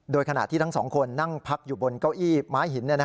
โดยขณะที่ทั้งสองคนนั่งพักอยู่บนเก้าอี้ไม้หิน